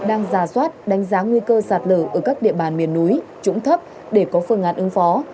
đang ra soát đánh giá nguy cơ sạt lở ở các địa bàn miền núi trũng thấp để có phương án ứng phó